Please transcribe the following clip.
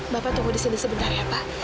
bapak tunggu disini sebentar ya pak